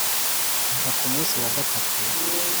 mva Ku munsi wa gatatu